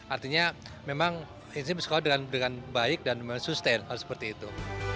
artinya memang ini bisa dikawal dengan baik dan sustain harus seperti itu